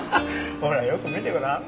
ほらよく見てごらん。